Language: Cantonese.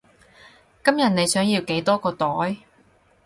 今日你想要幾多個袋？